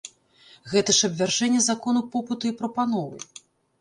Гэта ж абвяржэнне закону попыту і прапановы!